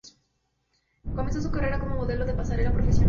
Comenzó su carrera como modelo de pasarela profesional.